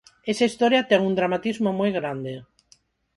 Esa historia ten un dramatismo moi grande.